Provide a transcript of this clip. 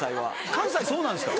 関西そうなんですか？